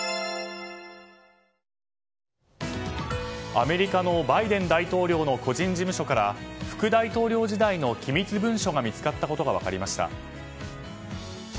アメリカのバイデン大統領の個人事務所から副大統領時代の機密文書が見つかったことが分かりました。